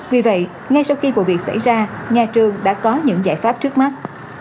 vì vậy ngay sau khi vụ việc xảy ra nhà trường đã có những giải pháp trước mắt